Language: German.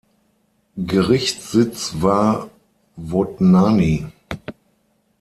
Gerichtssitz war Vodňany.